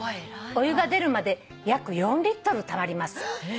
「お湯が出るまで約４リットルたまります」